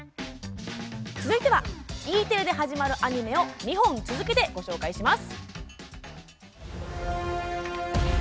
続いてはＥテレで始まるアニメを２本続けてご紹介します。